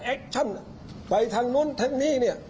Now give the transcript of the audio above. แอคชั่นไปทางนู้นแทนนี้